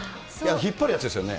引っ張るやつですよね。